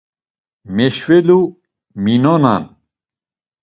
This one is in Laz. Meşvelu minonan.